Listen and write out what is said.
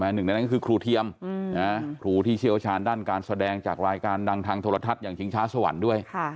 หนึ่งในนั้นก็คือครูเทียมครูที่เชี่ยวชาญด้านการแสดงจากรายการดังทางโทรทัศน์อย่างชิงช้าสวรรค์ด้วย